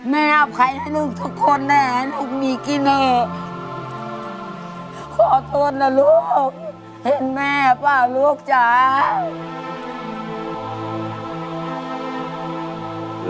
แม่อภัยให้ลูกทุกคนแน่ให้ลูกมีกีเนอร์ขอโทษนะลูกเห็นแม่เปล่าลูกจ้า